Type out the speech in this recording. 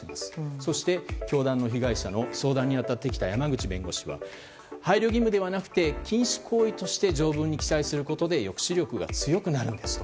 そして、教団の被害者の相談に当たってきた山口弁護士は配慮義務ではなくて禁止行為として条文に記載することで抑止力が強くなるんですと。